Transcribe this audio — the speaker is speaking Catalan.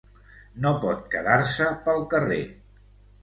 No pot quedar-se pel carrer!